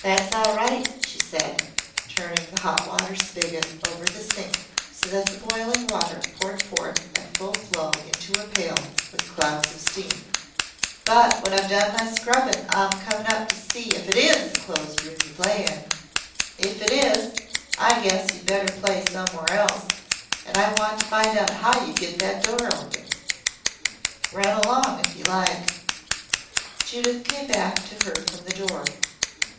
"That's all right," she said, turning the hot water spigot over the sink so that the boiling water poured forth at full flow into her pail, with clouds of steam. "But when I've done my scrubbing I'm comin' up to see if it IS the Closed Room you play in. If it is, I guess you'd better play somewhere else and I want to find out how you get that door open. Run along if you like." Judith came back to her from the door.